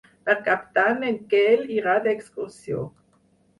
Per Cap d'Any en Quel irà d'excursió.